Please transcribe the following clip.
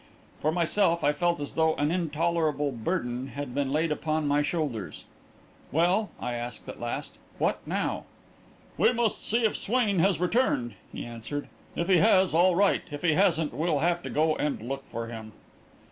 For myself, I felt as though an intolerable burden had been laid upon my shoulders. "Well," I asked, at last, "what now?" "We must see if Swain has returned," he answered. "If he has, all right. If he hasn't, we'll have to go and look for him."